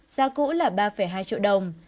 giá cũ là ba hai triệu đồng